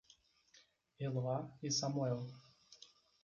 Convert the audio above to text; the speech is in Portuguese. Eloá e Samuel